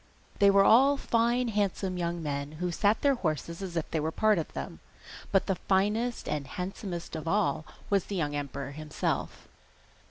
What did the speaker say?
They were all fine handsome young men, who sat their horses as if they were part of them, but the finest and handsomest of all was the young emperor himself.